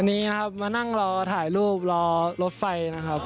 วันนี้นะครับมานั่งรอถ่ายรูปรอรถไฟนะครับ